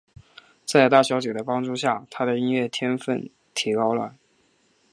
在大小姐的帮助下他的音乐天份提高了。